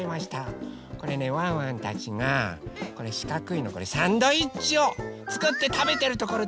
これねワンワンたちがこれしかくいのこれサンドイッチをつくってたべてるところです。